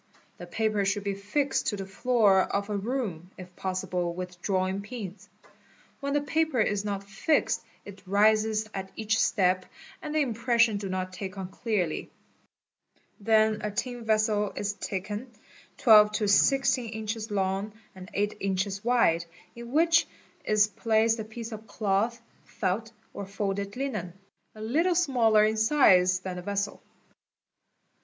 .The paper should be fixed to the floor of a room, if possible with drawing pins. When the paper is not fixed it rises at each step and the impressions do not*take on clearly, Then a tin vessel is taken, 12 to 16 inches long and 8 inches wide, in which is placed a piece of cloth, felt, or folded linen, a little smaller in size than the vessel.